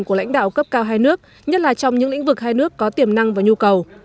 của lãnh đạo cấp cao hai nước nhất là trong những lĩnh vực hai nước có tiềm năng và nhu cầu